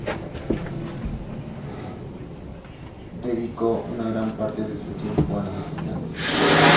Dedicó una gran parte de su tiempo a la enseñanza.